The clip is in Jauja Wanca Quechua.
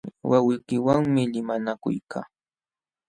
Wawqiykiwanmi limanakuykaa.